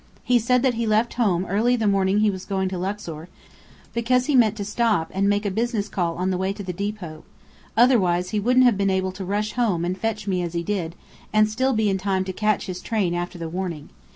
He said that he left home early the morning he was going to Luxor, because he meant to stop and make a business call on the way to the depot, otherwise he wouldn't have been able to rush home and fetch me as he did, and still be in time to catch his train after the warning.